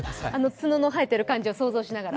角の生えている感じを想像しながら。